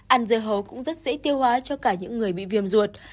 ăn dưa hấu cũng rất dễ tiêu hóa cho cả những người bị viêm ruột